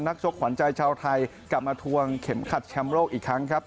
ชกขวัญใจชาวไทยกลับมาทวงเข็มขัดแชมป์โลกอีกครั้งครับ